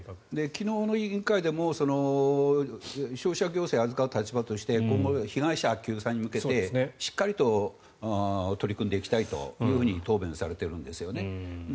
昨日の委員会でも消費者行政を預かる立場として今後、被害者救済に向けてしっかりと取り組んでいきたいというふうに答弁されているんですよね。